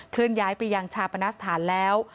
เลื่อนย้ายไปยังชาปณสถานแล้ว